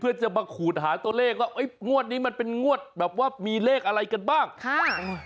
เพื่อจะมาขูดหาตัวเลขว่าเอ้ยงวดนี้มันเป็นงวดแบบว่ามีเลขอะไรกันบ้างค่ะ